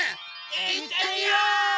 いってみよ！